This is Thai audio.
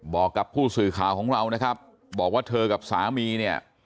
บอกกับผู้สื่อข่าวของเรานะครับบอกว่าเธอกับสามีเนี่ย